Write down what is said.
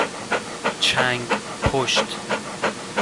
چنگ پشت